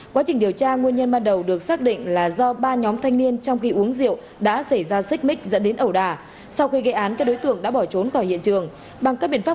quá trình điều tra nguồn nhân ban đầu được xác định là do ba nhóm thanh niên trong khi uống rượu đã xảy ra xích mít dẫn đến ẩu đà